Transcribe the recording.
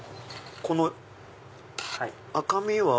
この赤みは？